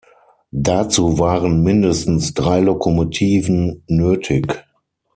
Dazu waren mindestens drei Lokomotiven nötig.